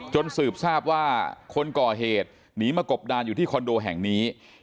สืบทราบว่าคนก่อเหตุหนีมากบดานอยู่ที่คอนโดแห่งนี้